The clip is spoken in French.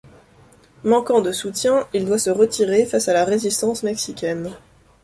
Manquant de soutien, il doit se retirer face à la résistance mexicaine.